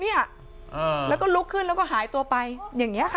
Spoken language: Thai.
เนี่ยแล้วก็ลุกขึ้นแล้วก็หายตัวไปอย่างนี้ค่ะ